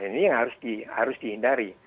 ini harus dihindari